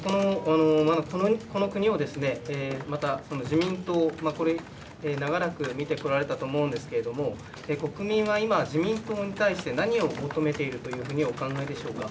この国を、また自民党、これ長らく見てこられたと思うんですけれども、国民は今、自民党に対して何を求めているというふうにお考えでしょうか。